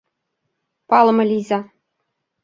Палыме лийза.